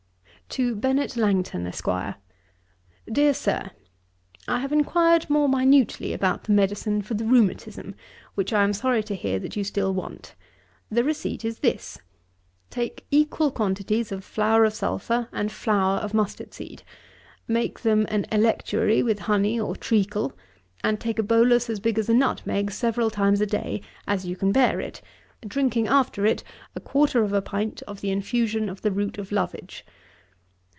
'To BENNET LANGTON, ESQ. 'DEAR SIR, 'I have enquired more minutely about the medicine for the rheumatism, which I am sorry to hear that you still want. The receipt is this: 'Take equal quantities of flour of sulphur, and flour of mustard seed, make them an electuary with honey or treacle; and take a bolus as big as a nutmeg several times a day, as you can bear it: drinking after it a quarter of a pint of the infusion of the root of Lovage.